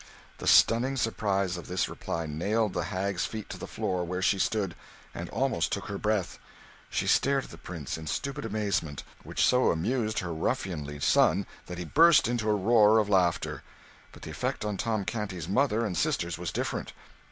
The stunning surprise of this reply nailed the hag's feet to the floor where she stood, and almost took her breath. She stared at the Prince in stupid amazement, which so amused her ruffianly son, that he burst into a roar of laughter. But the effect upon Tom Canty's mother and sisters was different.